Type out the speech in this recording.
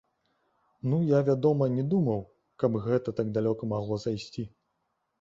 Ну, я, вядома, не думаў, каб гэта так далёка магло зайсці.